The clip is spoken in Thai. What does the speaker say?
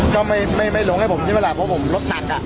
ก็ไม่ไม่ไม่ลงให้ผมที่เวลาเพราะผมรถหนักอ่ะอ๋อ